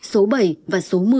số bảy và số một mươi